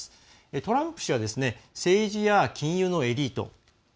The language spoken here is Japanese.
トランプ氏は政治や金融のエリート。